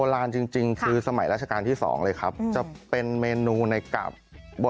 ข้างบัวแห่งสันยินดีต้อนรับทุกท่านนะครับ